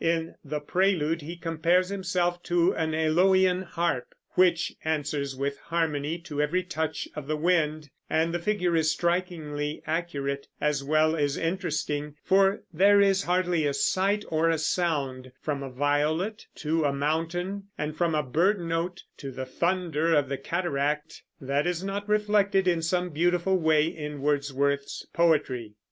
In The Prelude he compares himself to an æolian harp, which answers with harmony to every touch of the wind; and the figure is strikingly accurate, as well as interesting, for there is hardly a sight or a sound, from a violet to a mountain and from a bird note to the thunder of the cataract, that is not reflected in some beautiful way in Wordsworth's poetry.